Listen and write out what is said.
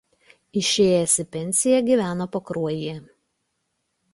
Išėjęs į pensiją gyveno Pakruojyje.